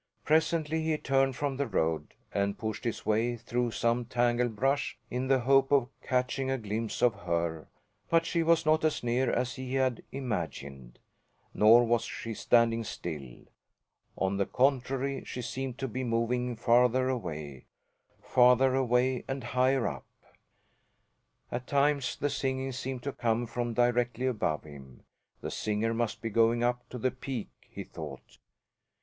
Presently he turned from the road and pushed his way through some tangle brush in the hope of catching a glimpse of her; but she was not as near as he had imagined. Nor was she standing still. On the contrary, she seemed to be moving farther away farther away and higher up. At times the singing seemed to come from directly above him. The singer must be going up to the peak, he thought.